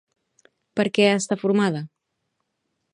Per què està formada?